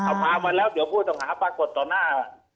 เอาพามาแล้วเดี๋ยวผู้ต้องหาปรากฏต่อหน้า